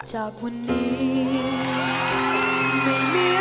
จากวันนี้ไม่มีอะไรเหลืออยู่